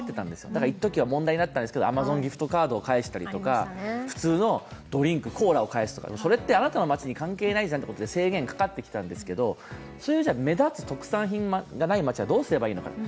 だから一時は問題になっていたんですけど、アマゾンギフトカードを返したりとか、普通のドリンク、コーラを返すとか、それってあなたの町に関係ないじゃんってことで制限かかってきたんですけど目立つ特産品がない町はどうするのかって。